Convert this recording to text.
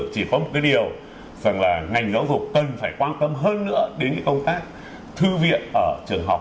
chỉ có một cái điều rằng là ngành giáo dục cần phải quan tâm hơn nữa đến công tác thư viện ở trường học